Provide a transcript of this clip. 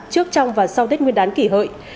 trước trong và sau tết nguyên đán kỷ hợi